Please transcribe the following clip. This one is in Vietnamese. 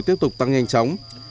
tiếp tục tăng nhanh chóng